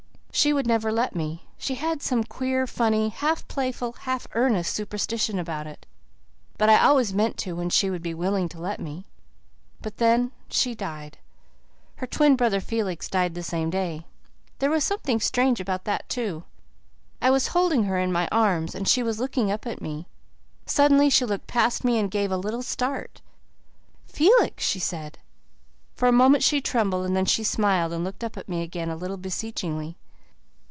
"She would never let me. She had some queer, funny, half playful, half earnest superstition about it. But I always meant to when she would become willing to let me. And then she died. Her twin brother Felix died the same day. There was something strange about that, too. I was holding her in my arms and she was looking up at me; suddenly she looked past me and gave a little start. 'Felix!' she said. For a moment she trembled and then she smiled and looked up at me again a little beseechingly.